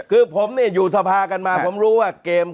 คือผมเนี่ยอยู่สภากันมาผมรู้ว่าเกม